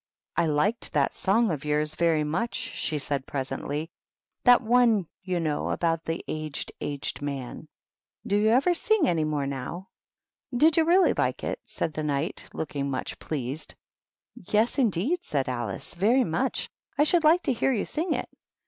"I liked that song of yours very much/' she said, presently. " That one you know about the ' Aged, Aged Man.^ Do you ever sing any more now r "Did you really like it?" said the Knight, looking much pleased. "Yes, indeed," said Alice; "very much. I should like to hear you sing it."